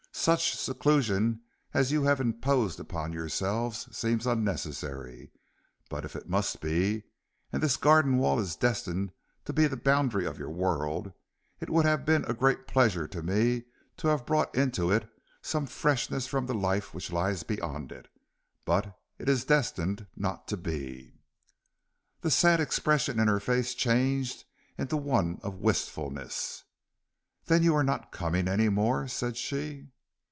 Such seclusion as you have imposed upon yourselves seems unnecessary, but if it must be, and this garden wall is destined to be the boundary of your world, it would have been a great pleasure to me to have brought into it some freshness from the life which lies beyond it. But it is destined not to be." The sad expression in her face changed into one of wistfulness. "Then you are not coming any more?" said she.